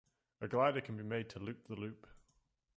A glider can be made to loop the loop.